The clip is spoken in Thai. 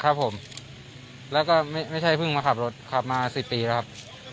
ครับผมแล้วก็ไม่ใช่เพิ่งมาขับรถขับมาสิบปีแล้วครับ